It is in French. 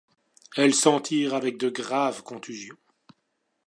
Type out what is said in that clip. Elle s'en tire avec de graves contusions.